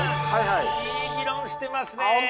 いい議論してますね！